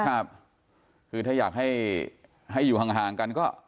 ครับคือถ้าอยากให้ให้อยู่ห่างกันก็